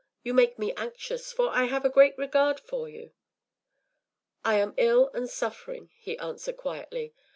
You make me anxious, for I have a great regard for you.” “I am ill and suffering,” he answered, quietly.